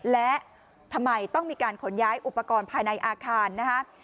และทำไมต้องมีการขนย้ายอุปกรณ์ภายในอาคารนะฮะ